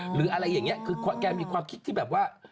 หรืออะไรอย่างนี้คือแกมีความคิดที่แบบว่า